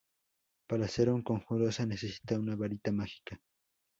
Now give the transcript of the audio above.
Para hacer un conjuro, se necesita una varita mágica.